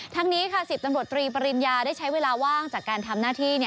ทั้งนี้ค่ะ๑๐ตำรวจตรีปริญญาได้ใช้เวลาว่างจากการทำหน้าที่